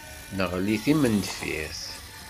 Neɣli d timendeffirt.